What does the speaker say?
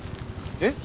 えっ？